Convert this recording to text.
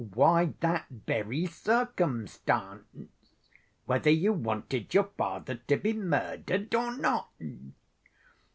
"Why, that very circumstance, whether you wanted your father to be murdered or not."